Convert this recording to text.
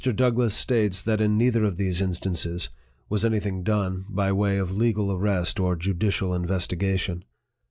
DOUGLASS states that in neither of these instances was any thing done by way of legal arrest or judicial investigation.